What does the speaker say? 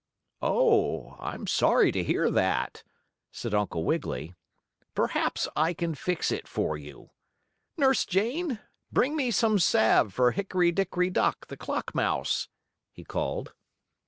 "Oh, I'm sorry to hear that," said Uncle Wiggily. "Perhaps I can fix it for you. Nurse Jane, bring me some salve for Hickory Dickory Dock, the clock mouse," he called.